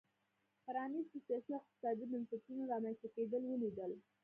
پرانیستو سیاسي او اقتصادي بنسټونو رامنځته کېدل ولیدل.